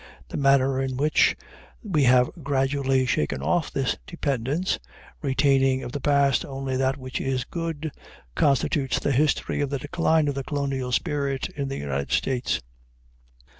The manner in which we have gradually shaken off this dependence, retaining of the past only that which is good, constitutes the history of the decline of the colonial spirit in the United States.